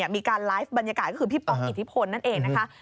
มีการไลฟ์บรรยากาศก็คือพี่ป๊อกอิทธิพลนั่นเองนะคะ